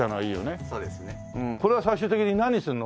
これは最終的に何にするの？